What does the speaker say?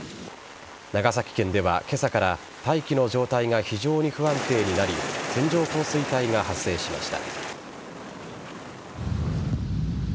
長崎県では今朝から大気の状態が非常に不安定になり線状降水帯が発生しました。